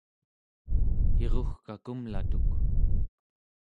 irugka kumlatuk